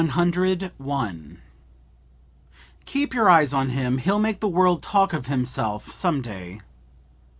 101. "Keep your eyes on him; he'll make the world talk of himself some day!"